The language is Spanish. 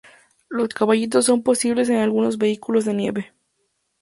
Los caballitos son posibles en algunos vehículos de nieve.